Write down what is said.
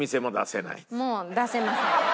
もう出せません。